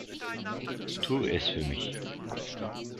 Tu es für mich!